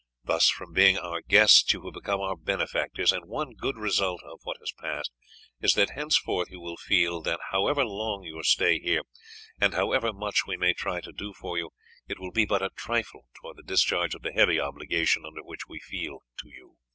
Thus, from being our guests you have become our benefactors; and one good result of what has passed is, that henceforth you will feel that, however long your stay here, and however much we may try to do for you, it will be but a trifle towards the discharge of the heavy obligation under which we feel to you."